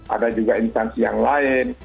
ada juga instansi yang lain